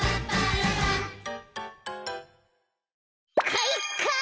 かいか！